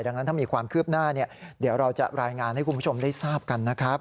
ดังนั้นถ้ามีความคืบหน้าเดี๋ยวเราจะรายงานให้คุณผู้ชมได้ทราบกันนะครับ